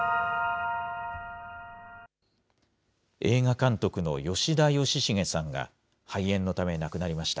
映画監督の吉田喜重さんが肺炎のため亡くなりました。